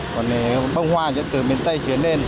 còn bông hoa dẫn từ miền tây chuyển lên